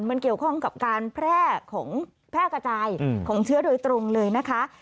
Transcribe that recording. มันเกี่ยวข้องกับการแพร่ของแพร่กระจายของเชื้อโดยตรงเลยนะคะ